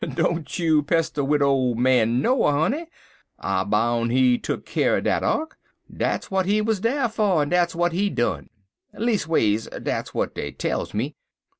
"Don't you pester wid ole man Noah, honey. I boun' he tuck keer er dat ark. Dat's w'at he wuz dar fer, en dat's w'at he done. Leas'ways, dat's w'at dey tells me.